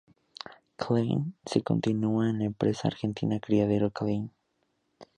Klein se continua en la empresa argentina Criadero Klein.